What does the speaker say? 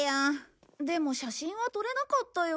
でも写真は撮れなかったよ。